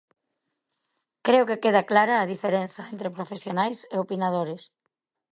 Creo que queda clara a diferenza entre profesionais e opinadores.